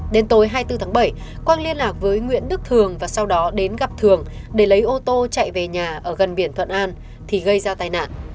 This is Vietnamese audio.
đến tối hai mươi bốn tháng bảy quang liên lạc với nguyễn đức thường và sau đó đến gặp thường để lấy ô tô chạy về nhà ở gần biển thuận an thì gây ra tai nạn